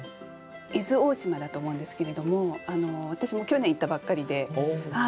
伊豆大島だと思うんですけれども私も去年行ったばっかりで。